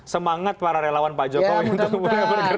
semangat para relawan pak jokowi ya mudah mudahan